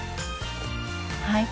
はい。